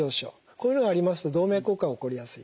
こういうのがありますと動脈硬化が起こりやすい。